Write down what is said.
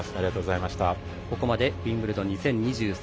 ここまでウィンブルドン２０２３。